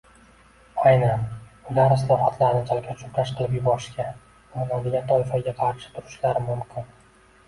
Aynan ular islohotlarni chalkash-chulkash qilib yuborishga urinadigan toifaga qarshi turishlari mumkin.